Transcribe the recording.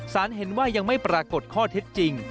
เห็นว่ายังไม่ปรากฏข้อเท็จจริง